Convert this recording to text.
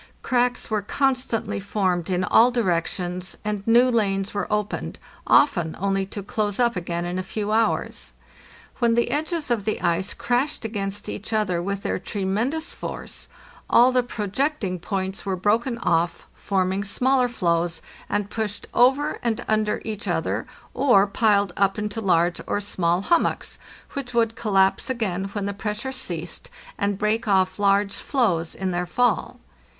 Cracks were constantly formed in all directions, and new lanes were opened, often only to close up again in a few hours. When the edges of the ice crashed against each other with their tremendous force, all the projecting points were broken off, forming smaller floes, and pushed over and under each other, or piled up into large or small hummocks, which would collapse again when the pressure ceased, and break off large floes in their fall.